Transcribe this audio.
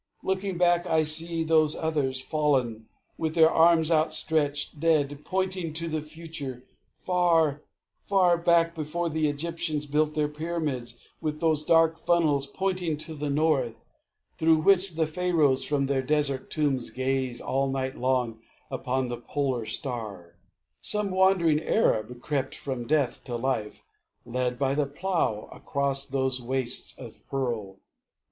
Looking back, I see Those others, fallen, with their arms outstretched Dead, pointing to the future. Far, far back, Before the Egyptians built their pyramids With those dark funnels pointing to the north, Through which the Pharaohs from their desert tombs Gaze all night long upon the Polar Star, Some wandering Arab crept from death to life Led by the Plough across those wastes of pearl....